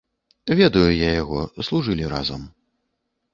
Ведаю я яго, служылі разам.